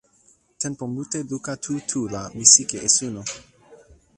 tenpo mute luka tu tu la mi sike e suno.